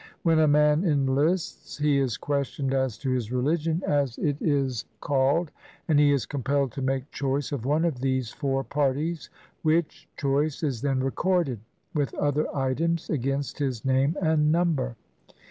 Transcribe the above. When a man enlists he is questioned as to his "religion," as it is 217 INDIA called ; and he is compelled to make choice of one of these four parties, which choice is then recorded, with other items, against his name and number.